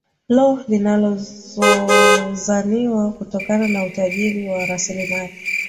lo linazozaniwa kutokana na utajiri wa raslimali